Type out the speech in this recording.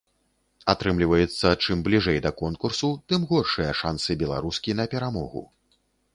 Атрымліваецца, чым бліжэй да конкурсу, тым горшыя шансы беларускі на перамогу.